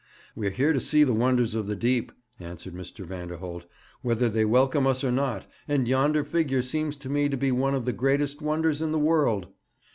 'We are here to see the wonders of the deep,' answered Mr. Vanderholt, 'whether they welcome us or not; and yonder figure seems to me to be one of the greatest wonders in the world.'